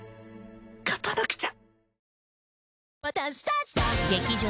勝たなくちゃ！